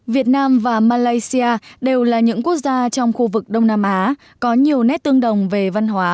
việt nam và malaysia đều là những quốc gia trong khu vực đông nam á có nhiều nét tương đồng về văn hóa